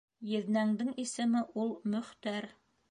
Еҙнәңдең исеме ул Мөхтәр.